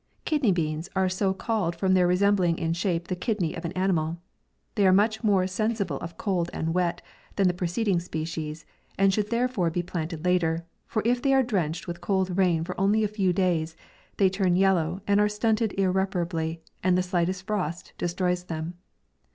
KIDNEY BEANS are so called from their resembling in shape the kidney of an animal. They are much more sensible of cold and wet than the pre ceding species, and should therefore be plant ed later, for if they are drenched with cold rain for only a few days, they turn yellow, and are stunted irreparably, and the slightest frost destroys them.